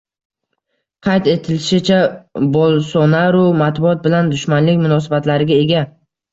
Qayd etilishicha, Bolsonaru matbuot bilan dushmanlik munosabatlariga ega